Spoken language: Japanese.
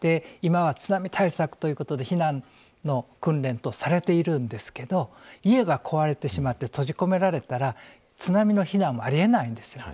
今は津波対策ということで避難の訓練等されているんですけど家が壊れてしまって閉じ込められたら津波の避難はありえないんです。